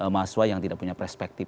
mahasiswa yang tidak punya perspektif